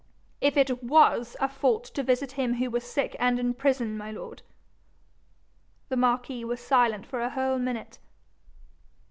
'If it WAS a fault to visit him who was sick and in prison, my lord.' The marquis was silent for a whole minute.